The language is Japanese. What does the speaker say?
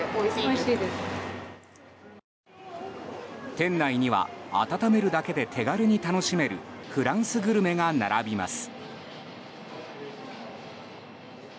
店内には温めるだけで手軽に楽しめるフランスグルメが並びます。